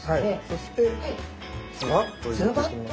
そしてズバッと入れていきます。